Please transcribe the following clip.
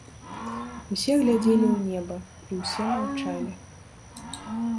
Усе глядзелі ў неба, і ўсё маўчалі.